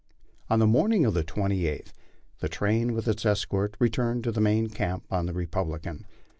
ON the morning of the 28th the train, with its escort, returned to the main camp on the Republican.